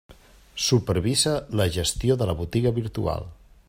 Supervisa la gestió de la botiga virtual.